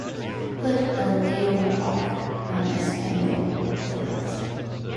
put El Mejor Rock en Español playlist